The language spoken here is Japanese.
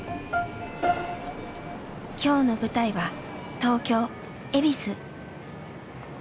今日の舞台は東京恵比寿。